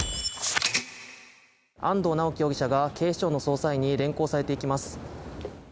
安藤巨樹容疑者が、警視庁の捜査員に連行されていきます。